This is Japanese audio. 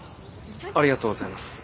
ありがとうございます。